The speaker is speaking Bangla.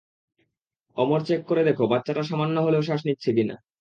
অমর, চেক করে দেখো বাচ্চাটা সামান্য হলেও শ্বাস নিচ্ছে কি না।